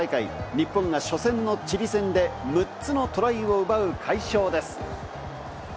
日本が初戦のチリ戦で６つのトライを奪う快勝です。